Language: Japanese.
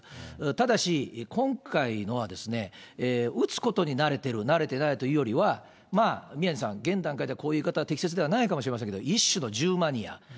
ただし、今回のは、撃つことに慣れてる、慣れてないというよりは、宮根さん、現段階ではこういう言い方は適切ではないかもしれませんが、一種の銃マニア。